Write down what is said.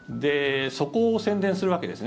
そこを宣伝するわけです。